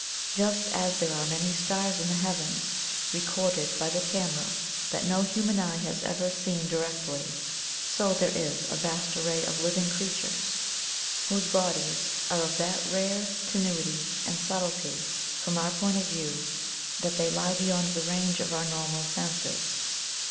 Just as there are many stars in the heavens recorded by the camera that no human eye has ever seen di 172 THE THEOSOPHIC VIEW OF FAIRIES rectly, so there is a vast array of living crea tures whose bodies are of that rare tenuity and subtlety from our point of view that they lie beyond the range of our normal senses.